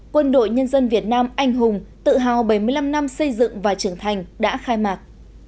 quân đội nhân dân việt nam anh hùng tự hào bảy mươi năm năm xây dựng và trưởng thành đã khai mạc